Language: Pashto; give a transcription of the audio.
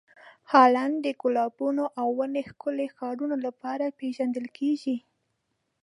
هالنډ د ګلابونو او ونې ښکلې ښارونو لپاره پېژندل کیږي.